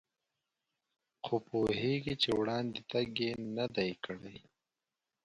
خو پوهېږي چې وړاندې تګ یې نه دی کړی.